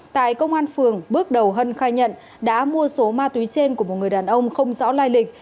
tại công an phường bước đầu hân khai nhận đã mua số ma túy trên của một người đàn ông không rõ lai lịch